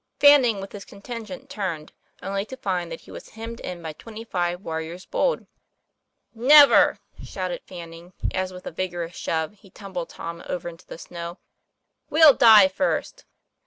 Fanning with his contingent turned, only to find that he was hemmed in by twenty five warriors bold. 'Never!" shouted Fanning, as with a vigorous shove he tumbled Tom over into the snow. "We'll die first."